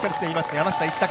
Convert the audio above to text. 山下一貴。